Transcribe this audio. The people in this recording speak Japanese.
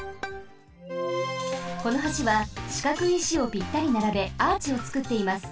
この橋はしかくい石をぴったりならべアーチをつくっています。